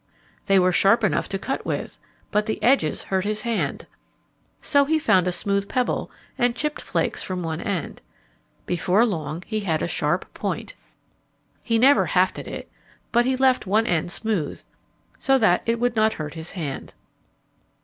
They were sharp enough to cut with, but the edges hurt his hand. So he found a smooth pebble and chipped flakes from one end. Before long he had a sharp point. He never hafted it; but he left one end smooth, so that it would not hurt his hand.